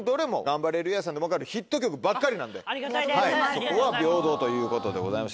ガンバレルーヤさんでも分かるヒット曲ばっかりなんでそこは平等ということでございまして。